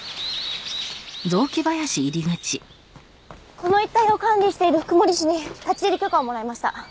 この一帯を管理している福森市に立ち入り許可をもらいました。